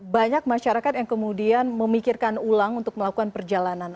banyak masyarakat yang kemudian memikirkan ulang untuk melakukan perjalanan